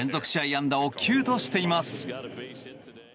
安打を９としています。